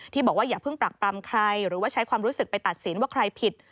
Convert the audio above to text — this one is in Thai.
บอกว่าอย่าเพิ่งปรักปรำใครหรือว่าใช้ความรู้สึกไปตัดสินว่าใครผิด